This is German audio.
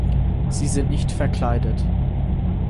Sie sind nicht verkleidet.